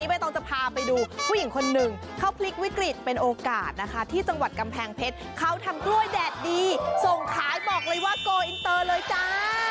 ใบตองจะพาไปดูผู้หญิงคนหนึ่งเขาพลิกวิกฤตเป็นโอกาสนะคะที่จังหวัดกำแพงเพชรเขาทำกล้วยแดดดีส่งขายบอกเลยว่าโกอินเตอร์เลยจ้า